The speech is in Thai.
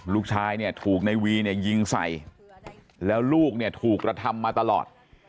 ลูกชายเนี่ยถูกในวีเนี่ยยิงใส่แล้วลูกเนี่ยถูกกระทำมาตลอด